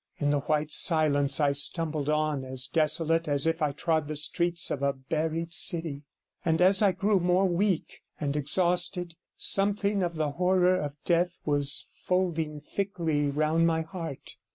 In the white silence I stumbled on, as desolate as if I trod the streets of a buried city; and as I grew more weak and exhausted, something of the horror of death was folding thickly round 45 my heart.